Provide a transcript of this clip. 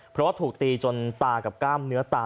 เพราะว่าถูกตีจนตากับกล้ามเนื้อตา